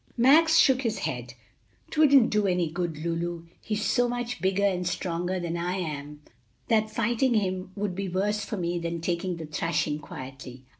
Max shook his head. "'Twouldn't do any good, Lulu; he's so much bigger and stronger than I am that fighting him would be worse for me than taking the thrashing quietly."